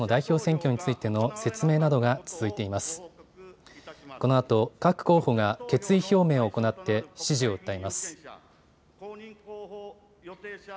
このあと、各候補が決意表明を行って、支持を訴えます。